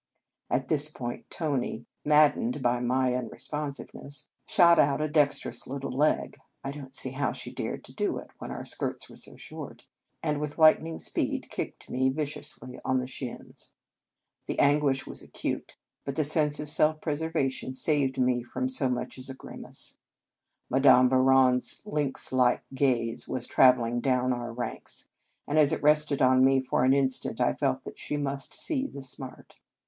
At this point, Tony, maddened by my unresponsiveness, shot out a dex "5 In Our Convent Days terous little leg (I don t see how she dared to do it, when our skirts were so short), and, with lightning speed, kicked me viciously on the shins. The anguish was acute, but my sense of self preservation saved me from so much as a grimace. Madame Bou = ron s lynx like gaze was travelling down our ranks, and, as it rested on me for an instant, I felt that she must see the smart.